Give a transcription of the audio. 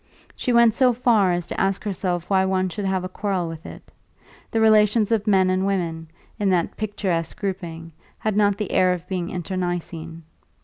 She went so far as to ask herself why one should have a quarrel with it; the relations of men and women, in that picturesque grouping, had not the air of being internecine.